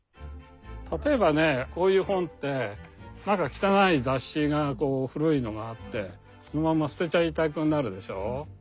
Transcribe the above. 例えばねこういう本ってなんか汚い雑誌が古いのがあってそのまんま捨てちゃいたくなるでしょう。